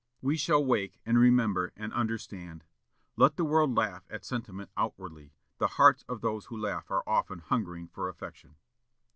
"We shall wake, and remember, and understand." Let the world laugh at sentiment outwardly the hearts of those who laugh are often hungering for affection!